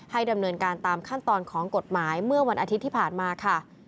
ดำเนินการตามขั้นตอนของกฎหมายเมื่อวันอาทิตย์ที่ผ่านมาค่ะ